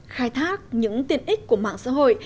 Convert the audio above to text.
khai thác những tiền ích của mạng xã hội